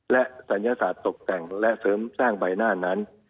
และศัลยศาสตร์ตกแต่งและเสริมสร้างใบหน้านั้น